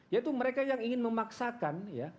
yaitu mereka yang ingin memaksakan